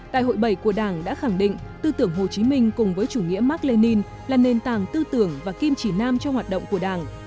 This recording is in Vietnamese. đại hội bảy của đảng đã khẳng định tư tưởng hồ chí minh cùng với chủ nghĩa mark lenin là nền tảng tư tưởng và kim chỉ nam cho hoạt động của đảng